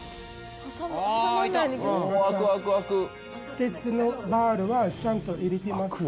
鉄のバールはちゃんと入れてますよ。